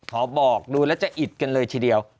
ขอบอกดูแล้วจะอิดกันเลยเฉย